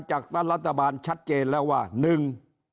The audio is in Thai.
จากนั้นรัฐบาลชัดเจนแล้วว่าหนึ่ง